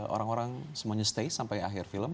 orang orang semuanya stay sampai akhir film